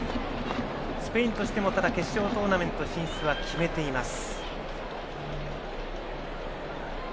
スペインとしても決勝トーナメント進出は決めています。